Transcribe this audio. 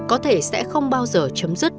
có thể sẽ không bao giờ chấm dứt